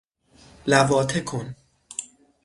لواطه کن